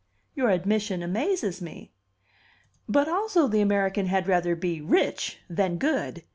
"Your admission amazes me!" "But also the American had rather be rich than good.